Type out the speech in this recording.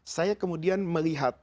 saya kemudian melihat